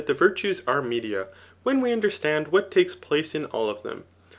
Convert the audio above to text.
the virtues ar# mediae when we understand what takes plfice in all o^ tbeaa.